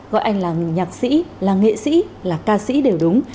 gọi anh là nhạc sĩ là nghệ sĩ là ca sĩ đều đúng